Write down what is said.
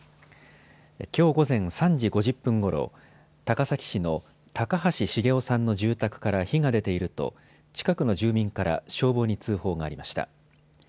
きょう午前３時５０分ごろ、高崎市の高橋重雄さんの住宅から火が出ていると近くの住民から消防に通報がありました。